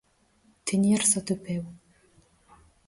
Tenir sota peu.